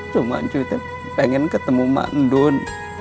cuma cudip pengen ketemu mbak ndun